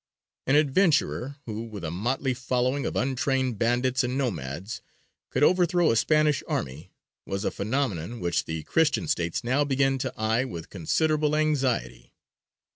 An adventurer who, with a motley following of untrained bandits and nomads, could overthrow a Spanish army was a phenomenon which the Christian States now began to eye with considerable anxiety.